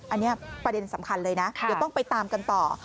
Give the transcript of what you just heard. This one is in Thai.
อันนี้ประเด็นสำคัญเลยนะเดี๋ยวต้องไปตามกันต่อ